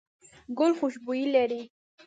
ګل خوشبويي لري.